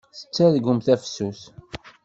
Tettargumt tafsut.